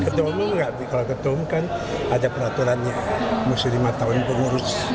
ketua umum nggak kalau ketua umum kan ada peraturannya mesti lima tahun pengurus